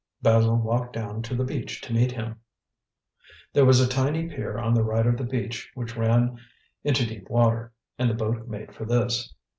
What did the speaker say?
Basil walked down to the beach to meet him. There was a tiny pier on the right of the beach which ran into deep water, and the boat made for this.